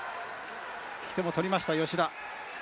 引き手も取りました吉田。